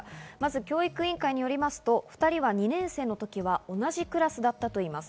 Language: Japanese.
教育委員会によりますと、２人は２年生の時は同じクラスだったといいます。